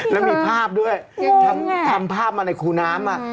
แล้วมีภาพด้วยทำภาพมาในคูน้ำ